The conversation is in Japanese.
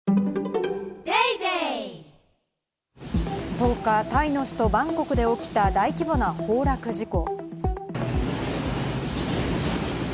１０日、タイの首都バンコクで起きた大規模な崩落事故。